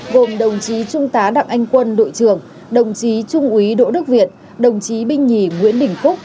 gồm đồng chí trung tá đặng anh quân đội trưởng đồng chí trung úy đỗ đức việt đồng chí binh nhì nguyễn đình phúc